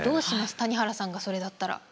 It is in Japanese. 谷原さんがそれだったら。